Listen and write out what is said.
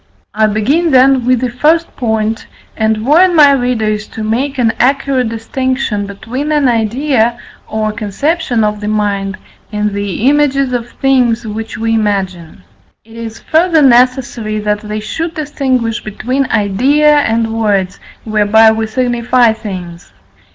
I begin, then, with the first point, and warn my readers to make an accurate distinction between an idea, or conception of the mind, and the images of things which we imagine. It is further necessary that they should distinguish between idea and words, whereby we signify things.